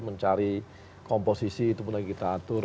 mencari komposisi itu pun lagi kita atur